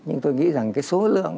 nhưng tôi nghĩ rằng cái số lượng